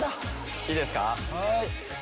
いいですか？